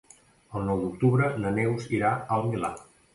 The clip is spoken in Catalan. El nou d'octubre na Neus irà al Milà.